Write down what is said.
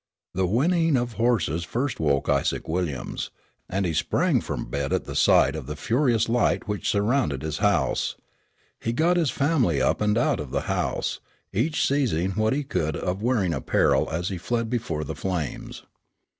The whinnying of the horses first woke Isaac Williams, and he sprang from bed at sight of the furious light which surrounded his house. He got his family up and out of the house, each seizing what he could of wearing apparel as he fled before the flames.